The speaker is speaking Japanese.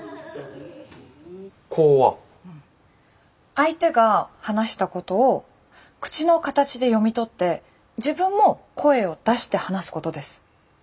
相手が話したことを口の形で読み取って自分も声を出して話すことです。